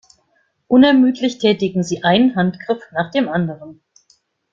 Unermüdlich tätigen sie einen Handgriff nach dem anderen.